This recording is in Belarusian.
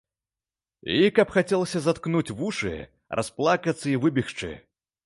І каб хацелася заткнуць вушы, расплакацца і выбегчы!